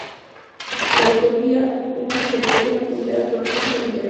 La autovía une Jerez de la Frontera con Arcos de la Frontera.